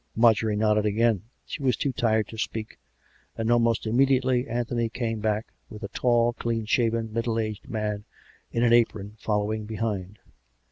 Marjorie nodded again. She was too tired to speak; and almost immediately An thony came back, with a tall, clean s'haven, middle aged man, in an apron, following behind.